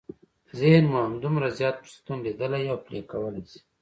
ذهن مو همدومره زیات فرصتونه ليدلی او پلي کولای شي.